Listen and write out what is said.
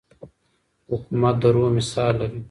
حکومت د روح مثال لري.